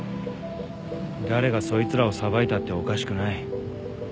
誰がそいつらを裁いたっておかしくない。